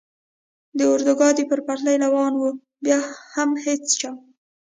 د اورګاډي پر پټلۍ روان و، بیا هم هېڅ چا.